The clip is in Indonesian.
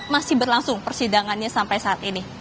masih berlangsung persidangannya sampai saat ini